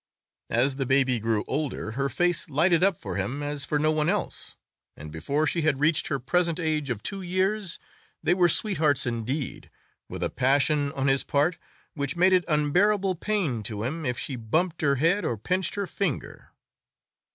As the baby grew older her face lighted up for him as for no one else, and before she had reached her present age of two years they were sweethearts indeed, with a passion on his part which made it unbearable pain to him if she bumped her head or pinched her finger.